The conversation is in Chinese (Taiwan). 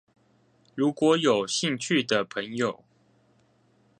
如果有興趣的朋友